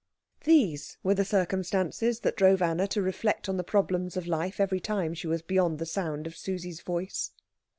These were the circumstances that drove Anna to reflect on the problems of life every time she was beyond the sound of Susie's voice.